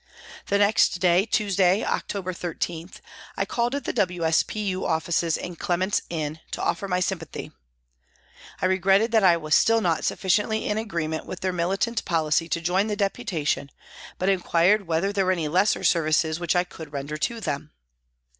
The next day, Tuesday, October 13, I called at the W.S.P.U. offices in Clement's Inn to offer my sympathy. I regretted that I was still not sufficiently in agreement with their militant policy to join the deputation, but c2 20 PRISONS AND PRISONERS inquired whether there were any lesser services which I could render them.